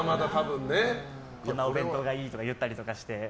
こんなお弁当がいいって言ったりして。